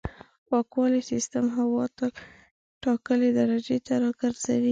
پاکوالي سیستم هوا تل ټاکلې درجې ته راګرځوي.